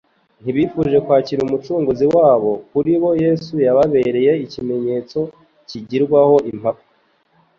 Ntibifuje kwakira Umucunguzi wabo. Kuri bo Yesu yababereye ikimenyetso kigirwaho impaka.